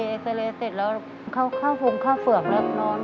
เอ็กซาเรย์เสร็จแล้วเข้าฟงข้าวเฝือกแล้วนอน